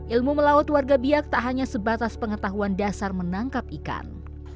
ilmu melaut warga biak tak hanya sebatas pengetahuan dasar menangkap ikan